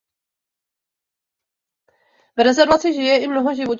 V rezervaci žije i mnoho živočichů.